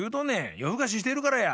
よふかししてるからや。